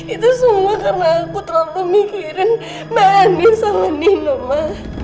itu semua karena aku terlalu mikirin mbak anin sama nino ma